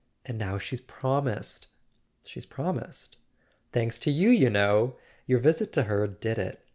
And now she's promised." "She's promised?" "Thanks to you, you know. Your visit to her did it.